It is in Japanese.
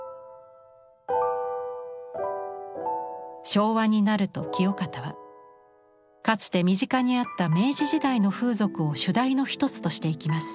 昭和になると清方はかつて身近にあった明治時代の風俗を主題の一つとしていきます。